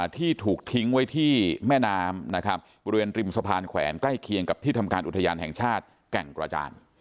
ที่ถูกทิ้งไว้ที่แม่น้ำนะครับบริเวณริมสะพานแขวนใกล้เคียงกับที่ทำการอุทยานแห่งชาติแก่งกระจาน